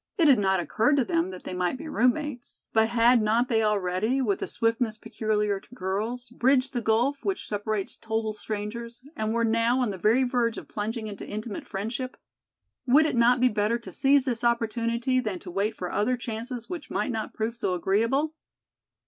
It had not occurred to them that they might be roommates, but had not they already, with the swiftness peculiar to girls, bridged the gulf which separates total strangers, and were now on the very verge of plunging into intimate friendship? Would it not be better to seize this opportunity than to wait for other chances which might not prove so agreeable?